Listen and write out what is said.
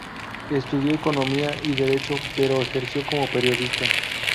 Estudió economía y derecho, pero ejerció como periodista.